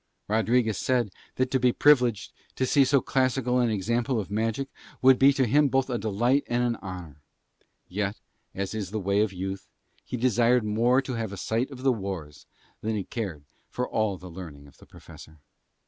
Rodriguez said that to be privileged to see so classical an example of magic would be to him both a delight and honour. Yet, as is the way of youth, he more desired to have a sight of the wars than he cared for all the learning of the Professor.